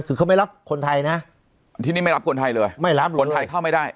คือเขาไม่รับคนไทยนะที่นี่ไม่รับคนไทยเลยไม่รับเลยคนไทยเข้าไม่ได้